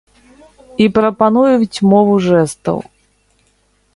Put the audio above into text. І прапануюць мову жэстаў.